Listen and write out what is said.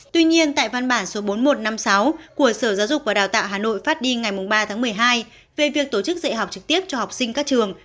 tuy nhiên tại văn bản số bốn nghìn một trăm năm mươi sáu của sở giáo dục và đào tạo hà nội phát đi ngày ba tháng một mươi hai về việc tổ chức dạy học trực tiếp cho học sinh các trường